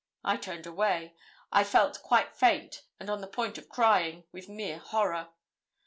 I turned away. I felt quite faint, and on the point of crying, with mere horror.